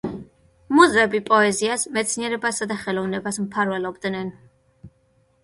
მუზები პოეზიას, მეცნიერებასა და ხელოვნებას მფარველობდნენ.